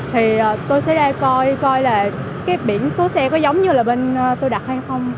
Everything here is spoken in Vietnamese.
thì tôi sẽ ra coi coi là cái biển số xe có giống như là bên tôi đặt hay không